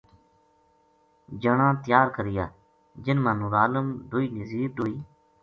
جنا تیار کریا جن ما نورعالم ڈوئی نزیر ڈوئی